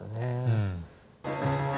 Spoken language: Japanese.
うん。